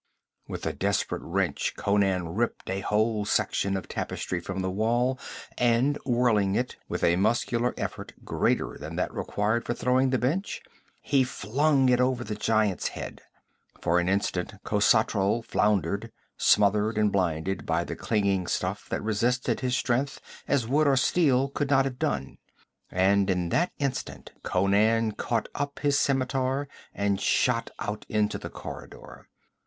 With a desperate wrench Conan ripped a whole section of tapestry from the wall and whirling it, with a muscular effort greater than that required for throwing the bench, he flung it over the giant's head. For an instant Khosatral floundered, smothered and blinded by the clinging stuff that resisted his strength as wood or steel could not have done, and in that instant Conan caught up his scimitar and shot out into the corridor.